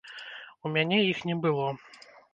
У мяне іх не было.